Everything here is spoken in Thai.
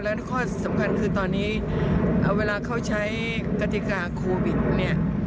และข้อสำคัญคือตอนนี้เวลาเขาใช้กติกาโควิดเนี่ย